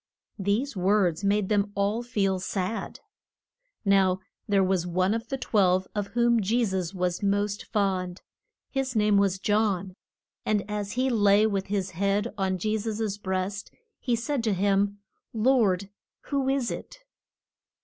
These words made them all feel sad. Now there was one of the twelve of whom Je sus was most fond. His name was John. And as he lay with his head on Je sus' breast he said to him, Lord, who is it?